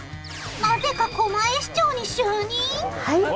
なぜか狛江市長に就任！？